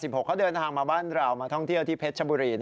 เขาเดินทางมาบ้านเรามาท่องเที่ยวที่เพชรชบุรี